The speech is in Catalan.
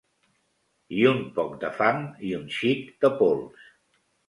I un poc de fang i un xic de pols.